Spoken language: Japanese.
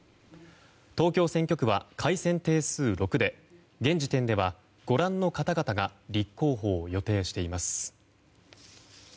東京選挙区は改選定数６で現時点ではご覧の方々が立候補を予定しています。